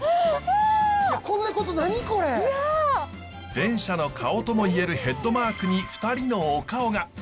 電車の顔とも言えるヘッドマークに２人のお顔が！